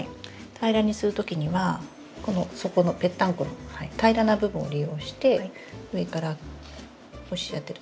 平らにするときにはこの底のぺったんこの平らな部分を利用して上から押し当てる。